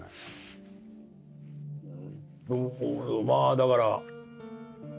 まあだから。